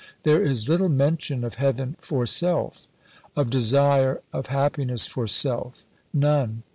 There is little mention of heaven for self; of desire of happiness for self, none.